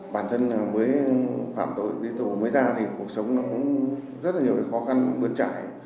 bản thân mới phản tội đi tù mới ra thì cuộc sống nó cũng rất là nhiều khó khăn bước chạy